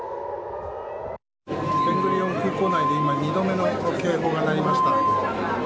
ベン・グリオン空港内で今２度目の警報が鳴りました。